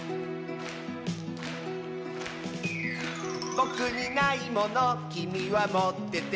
「ぼくにないものきみはもってて」